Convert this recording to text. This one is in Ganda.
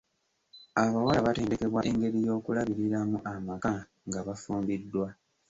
Abawala batendekebwa engeri y'okulabiriramu amaka nga bafumbiddwa.